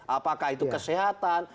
apakah itu kesehatan